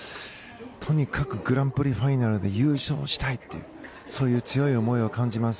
とにかくグランプリファイナルで優勝したいというそういう強い思いを感じます。